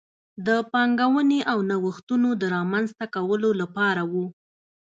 د پانګونې او نوښتونو د رامنځته کولو لپاره و.